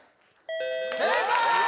正解！